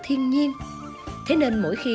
thiên nhiên thế nên mỗi khi